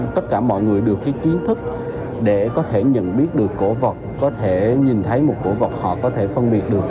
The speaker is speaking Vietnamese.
tất cả mọi người được kiến thức để có thể nhận biết được cổ vật có thể nhìn thấy một cổ vật họ có thể phân biệt được